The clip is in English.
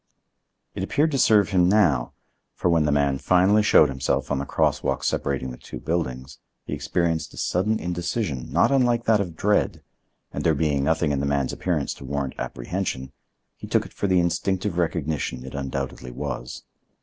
It appeared to serve him now, for when the man finally showed himself on the cross walk separating the two buildings he experienced a sudden indecision not unlike that of dread, and there being nothing in the man's appearance to warrant apprehension, he took it for the instinctive recognition it undoubtedly was.